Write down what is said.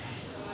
apa ya enak lah